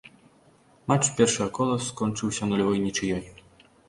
Матч першага кола скончыўся нулявой нічыёй.